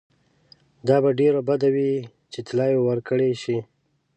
دا به ډېره بده وي چې طلاوي ورکړه شي.